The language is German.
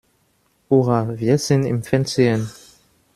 Hurra, wir sind im Fernsehen!